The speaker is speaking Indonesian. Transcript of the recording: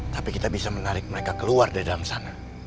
tapi kita bisa menarik mereka keluar dari dalam sana